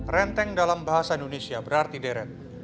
renteng dalam bahasa indonesia berarti deret